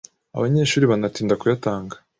abanyeshuri banatinda kuyatanga